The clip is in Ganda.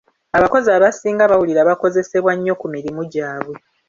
Abakozi abasinga bawulira bakozesebwa nnyo ku mirimu gyabwe.